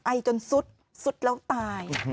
ไอจนซุดสุดแล้วตาย